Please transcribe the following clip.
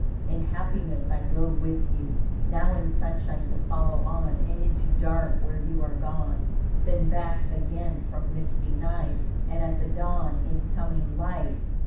In happiness I go with you Now in sunshine to follow on And into dark when you are gone. Then back again from misty night And at the dawn in coming light.